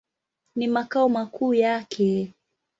Ni makao makuu yake.